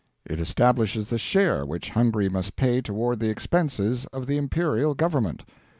It establishes the share which Hungary must pay toward the expenses of the imperial Government.